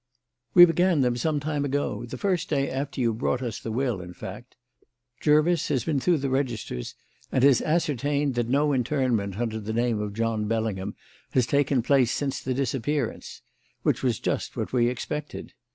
"We began them some time ago the day after you brought us the will, in fact. Jervis has been through the registers and has ascertained that no interment under the name of John Bellingham has taken place since the disappearance; which was just what we expected.